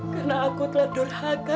karena aku telah durhaka